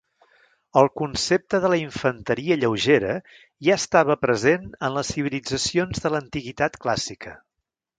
El concepte de la infanteria lleugera ja estava present en les civilitzacions de l'Antiguitat Clàssica.